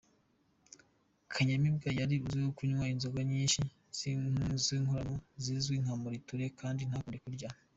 Kanyamibwa yari azwiho kunywa inzoga nyinshi z’inkorano zizwi nka Muriture kandi ntakunde kurya.